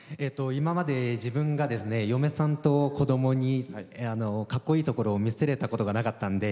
今まで自分が嫁さんと子どもにかっこいいところを見せれたことがなかったんで。